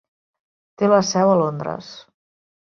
Té la seu a Londres.